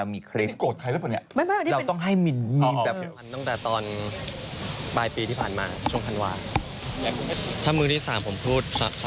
ไม่มีกลดใครหรือเปล่าเนี่ย